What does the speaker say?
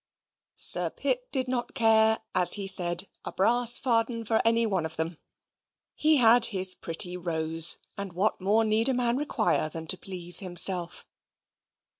Sir Pitt did not care, as he said, a brass farden for any one of them. He had his pretty Rose, and what more need a man require than to please himself?